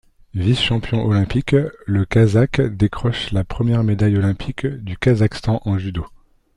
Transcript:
Vice-champion olympique, le Kazakh décroche la première médaille olympique du Kazakhstan en judo.